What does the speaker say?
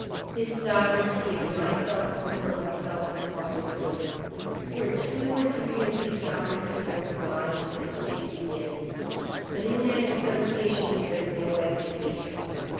This sovereignty of myself over myself is called Liberty. Where two or three of these sovereignties are combined, the state begins. But in that association there is no abdication.